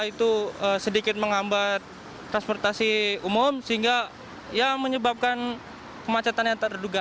itu sedikit menghambat transportasi umum sehingga ya menyebabkan kemacetan yang terduga